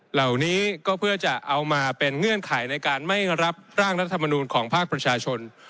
เหล่านี้ก็เพื่อจะเอามาเป็นเงื่อนไขในการไม่รับร่างรัฐมนูลของภาคประชาชน